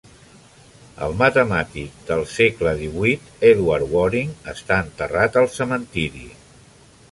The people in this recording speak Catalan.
El matemàtic del segle XVIII Edward Waring està enterrat al cementiri.